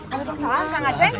waalaikumsalam kang aceh